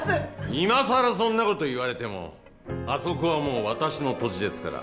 今更そんなこと言われてもあそこはもう私の土地ですから。